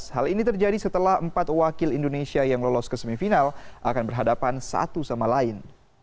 hal ini terjadi setelah empat wakil indonesia yang lolos ke semifinal akan berhadapan satu sama lain